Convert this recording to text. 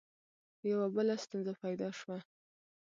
یوه بله ستونزه پیدا شوه.